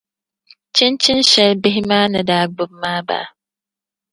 Chinchini shɛli bihi maa ni di gbubi maa baa?